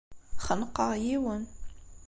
Xenqeɣ yiwen.